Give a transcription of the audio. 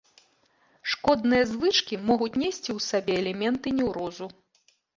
Шкодныя звычкі могуць несці ў сабе элементы неўрозу.